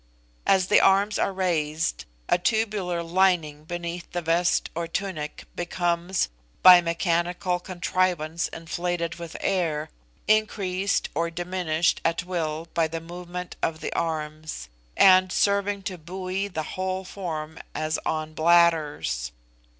As the arms are raised, a tubular lining beneath the vest or tunic becomes, by mechanical contrivance inflated with air, increased or diminished at will by the movement of the arms, and serving to buoy the whole form as on bladders.